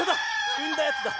うんだやつだ。